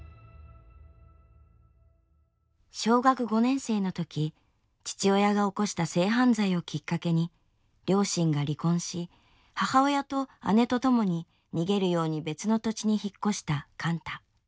小学５年生の時父親が起こした性犯罪をきっかけに両親が離婚し母親と姉と共に逃げるように別の土地に引っ越した貫多。